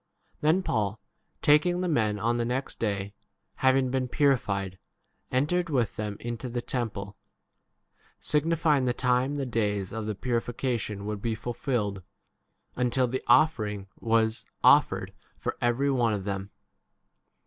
28 Then Paul taking the men, on the next day, having been purified, entered with them into the temple, signifying the time the days of the purification would be f ulfilled, until the offering was offered for every 2 ? one of them.